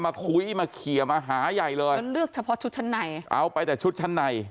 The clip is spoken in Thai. มาคุยมาเคลียร์มาหาใหญ่เลยแล้วเลือกเฉพาะชุดชั้นในเอาไปแต่ชุดชั้นใน